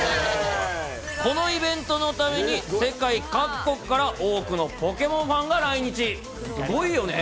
このイベントのために、世界各国から多くのポケモンファンが来日。